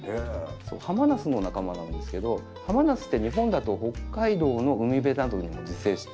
ハマナスの仲間なんですけどハマナスって日本だと北海道の海辺などにも自生しているバラなんですよね。